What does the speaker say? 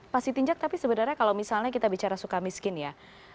pak sitinjak tapi sebenarnya kalau misalnya kita bicara suka miskin ya